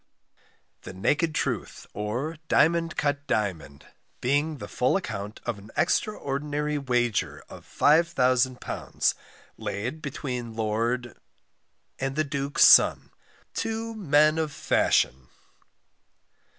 THE NAKED TRUTH, OR DIAMOND CUT DIAMOND, BEING THE FULL ACCOUNT OF AN EXTRAORDINARY WAGER OF £5000, Laid between Lord and the Duke's Son, TWO MEN OF FASHION.